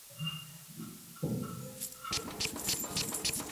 ეს არის თავისუფალი თარგმანი.